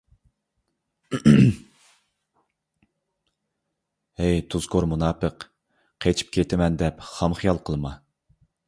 ھەي تۇزكور مۇناپىق، قېچىپ كېتىمەن دەپ خام خىيال قىلما!